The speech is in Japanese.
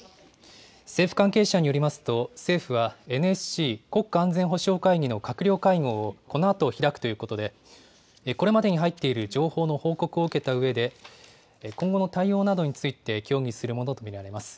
政府関係者によりますと、政府はＮＳＣ・国家安全保障会議の閣僚会合をこのあと開くということで、これまでに入っている情報の報告を受けたうえで、今後の対応などについて協議するものと見られます。